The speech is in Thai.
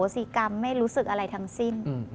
สีกรรมไม่รู้สึกอะไรทั้งสิ้น